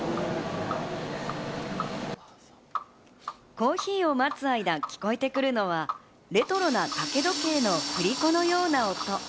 コーヒーを待つ間聞こえてくるのは、レトロな掛け時計の振り子のような音。